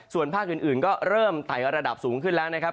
ส่วนภาคอื่นก็เริ่มไต่ระดับสูงขึ้นแล้วนะครับ